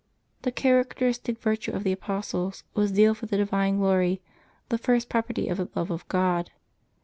— The characteristic virtue of the apostles was zeal for the divine glory, the first property of the love of God.